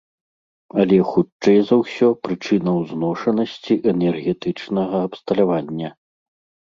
Але хутчэй за ўсё прычына ў зношанасці энергетычнага абсталявання.